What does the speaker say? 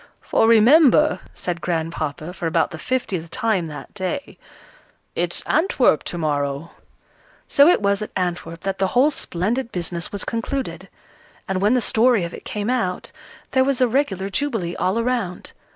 "For remember," said Grandpapa, for about the fiftieth time that day, "it's Antwerp to morrow!" So it was at Antwerp that the whole splendid business was concluded. And when the story of it came out, there was a regular jubilee all around.